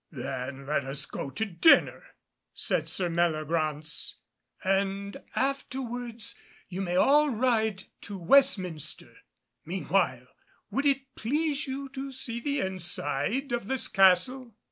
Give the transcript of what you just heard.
"Then let us go to dinner," said Sir Meliagraunce, "and afterwards you may all ride to Westminster. Meanwhile would it please you to see the inside of this castle?"